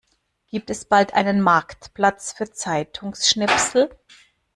Gibt es bald einen Marktplatz für Zeitungsschnipsel?